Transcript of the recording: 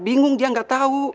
bingung dia gak tau